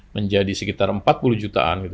menjadi sekitar empat puluh jutaan gitu